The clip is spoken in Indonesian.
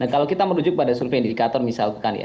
kalau kita menunjuk pada survei indikator misalkan